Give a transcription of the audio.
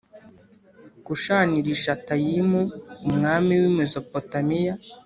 Kushanirishatayimu umwami w i mezopotamiya